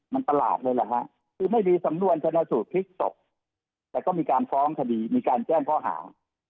มันประหลาดเลยแหละฮะคือไม่มีสำนวนชนะสูตรพลิกศพแต่ก็มีการฟ้องคดีมีการแจ้งข้อหา